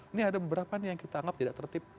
ini ada beberapa nih yang kita anggap tidak tertib